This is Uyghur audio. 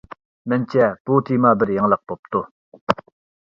مەنچە، بۇ تېما بىر يېڭىلىق بوپتۇ.